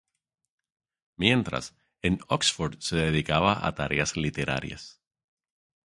Mientras, en Oxford se dedicaba a tareas literarias.